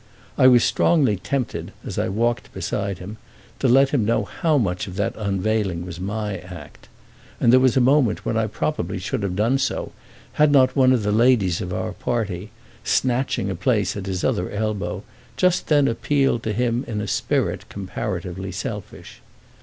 I was strongly tempted, as I walked beside him, to let him know how much of that unveiling was my act; and there was a moment when I probably should have done so had not one of the ladies of our party, snatching a place at his other elbow, just then appealed to him in a spirit comparatively selfish.